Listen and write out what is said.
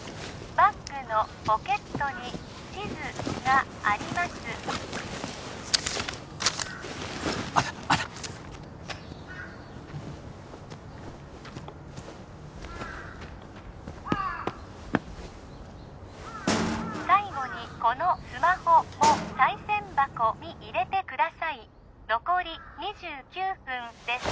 バッグのポケットに地図がありますあったあった最後にこのスマホを賽銭箱に入れてください残り２９分です